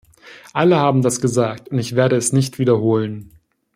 Alle haben das gesagt und ich werde es nicht wiederholen.